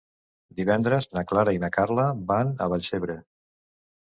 Divendres na Clara i na Carla van a Vallcebre.